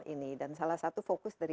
ini dan salah satu fokus dari